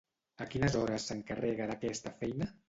A quines hores s'encarrega d'aquesta feina?